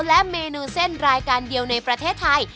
และเมนูเส้นรายการเดียวในประเทศไทย